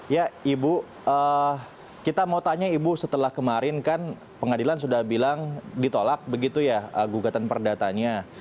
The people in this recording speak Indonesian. ya ibu kita mau tanya ibu setelah kemarin kan pengadilan sudah bilang ditolak begitu ya gugatan perdatanya